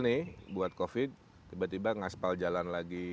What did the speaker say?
ini buat covid tiba tiba ngaspal jalan lagi